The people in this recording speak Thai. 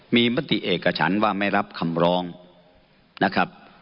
มีมติเอกฉันว่าไม่รับคำร้องนะครับ